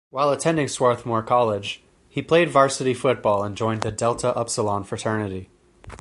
While attending Swarthmore College he played varsity football and joined the Delta Upsilon Fraternity.